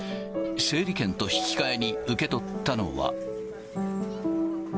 整理券と引き換えに受け取ったのは。